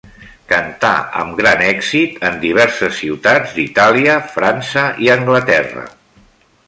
Cantà amb gran èxit en diverses ciutats d'Itàlia, França i Anglaterra.